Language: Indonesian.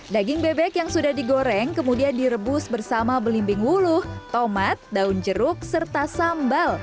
daging bebek yang sudah digoreng kemudian direbus bersama belimbing wuluh tomat daun jeruk serta sambal